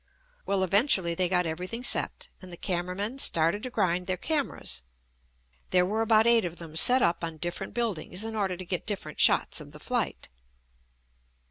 Well, eventually they got everything set, and the cameramen started to grind their cameras. There were about eight of them set up on different buildings in order to get dif ferent shots of the flight.